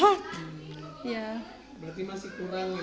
berarti masih kurang